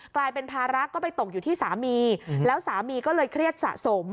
กลายเป็นภาระก็ไปตกอยู่ที่สามีแล้วสามีก็เลยเครียดสะสม